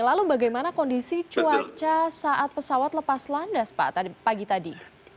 lalu bagaimana kondisi cuaca saat pesawat lepas landas pak pagi tadi